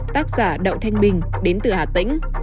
tác giả đậu thanh bình đến từ hà tĩnh